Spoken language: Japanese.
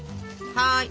はい。